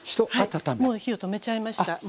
もう火を止めちゃいました。